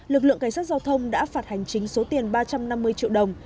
lực lượng cảnh sát giao thông đã phạt hành chính số tiền ba trăm năm mươi triệu đồng